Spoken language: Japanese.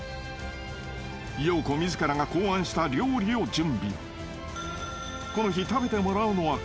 ［ヨーコ自らが考案した料理を準備］